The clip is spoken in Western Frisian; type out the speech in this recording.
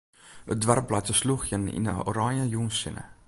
It doarp leit te slûgjen yn 'e oranje jûnssinne.